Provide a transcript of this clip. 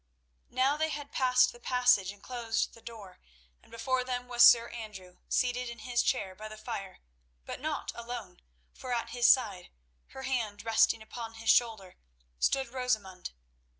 Now they had passed the passage and closed the door, and before them was Sir Andrew seated in his chair by the fire, but not alone, for at his side, her hand resting upon his shoulder, stood Rosamund.